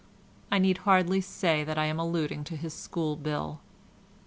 I need hardly say I am alluding to his school bill.